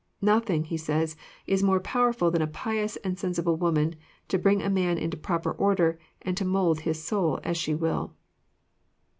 " Nothing," he says, " is more powerful than a pious and sensi ble woman, to bring a man into proper order, and to mould his soul as she wUl."